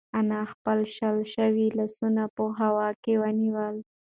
انا خپل شل شوي لاسونه په هوا کې ونیول.